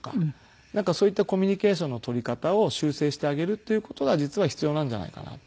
なんかそういったコミュニケーションの取り方を修正してあげるっていう事が実は必要なんじゃないかなと。